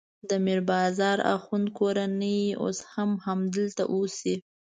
د میر بازار اخوند کورنۍ اوس هم همدلته اوسي.